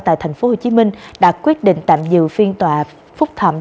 tại tp hcm đã quyết định tạm giữ phiên tòa phúc thẩm